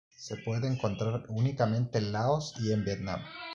Se puede encontrar únicamente en Laos y en Vietnam.